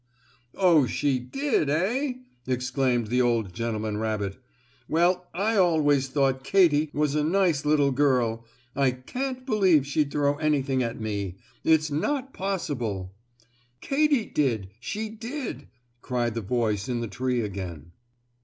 "Oh, she did; eh?" exclaimed the old gentleman rabbit. "Well I always thought Katy was a nice little girl. I can't believe she'd throw anything at me. It's not possible!" "Katy did she did!" cried the voice in the tree again.